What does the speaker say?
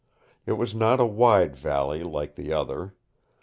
It was not a wide valley, like the other.